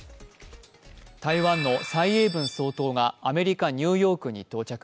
台湾の蔡英文総統がアメリカ・ニューヨークに到着。